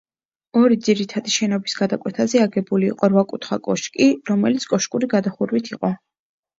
ორი ძირითადი შენობის გადაკვეთაზე აგებული იყო რვაკუთხა კოშკი, რომელიც კოშკური გადახურვით იყო.